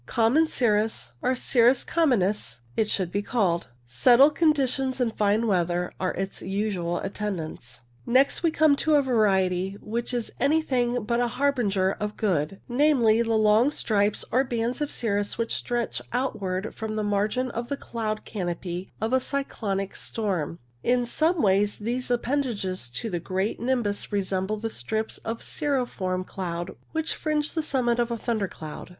Common cirrus, or cirrus communis, it should be called. Settled conditions and fine weather are its usual attendants. 10 Z o o o Plate 12. BAND CIRRUS. ( Cirrus J "tttaiiis. Page 41. BAND CIRRUS 41 We next come to a variety which is anything but a harbinger of good, namely, the long stripes or bands of cirrus which stretch outwards from the margin of the cloud canopy of a cyclonic storm. In some ways these appendages to the great nimbus resemble the strips of cirriform cloud which fringe the summit of a thunder cloud.